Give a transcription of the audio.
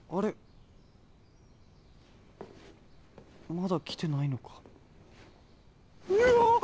まだきてないのか。